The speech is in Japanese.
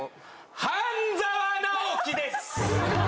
『半沢直樹』です。